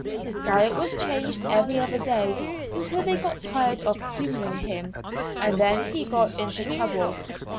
His diet was changed every other day, until they got tired of humouring him; and then he got into trouble.